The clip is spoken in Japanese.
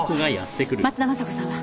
松田雅子さんは？